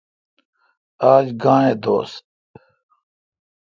آج گاں اے° دوس؟